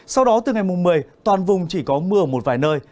sau đó từ ngày mùng một mươi toàn vùng chỉ có mưa một vài nơi